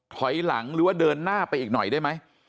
ถอยหลังหรือว่าเดินหน้าไปอีกหน่อยได้ไหม